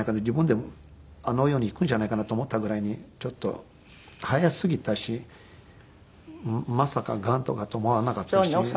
自分でもあの世に逝くんじゃないかなと思ったぐらいにちょっと早すぎたしまさかがんとかって思わなかったし。